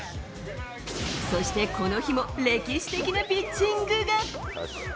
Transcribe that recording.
そしてこの日も歴史的なピッチングが。